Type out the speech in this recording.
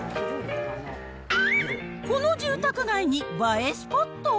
この住宅街に映えスポット？